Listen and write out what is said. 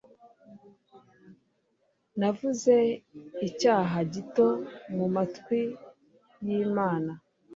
Navuze icyaha gito mumatwi yimana